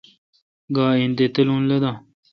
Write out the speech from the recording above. گا این تے تلون لدان۔